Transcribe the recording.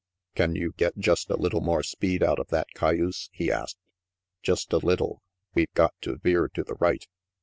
"Can you get just a little more speed out of that cayuse?" he asked. "Just a little. We've got to veer to the right."